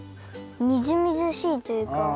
みずみずしいというか。